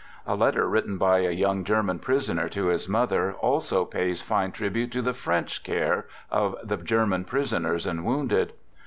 A letter written by a young Ger man prisoner to his mother also pays fine tribute to the French care of the German prisoners and wounded.